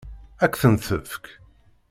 Ad k-tent-tefk?